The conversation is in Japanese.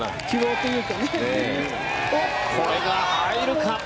これが入るか。